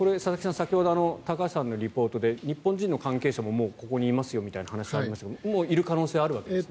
先ほど高橋さんのリポートで日本人の関係者ももうここにいますよみたいな話がありましたがもういる可能性はあるわけですね。